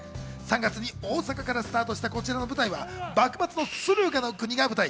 ３月に大阪からスタートしたこちらの舞台は幕末の駿河国が舞台。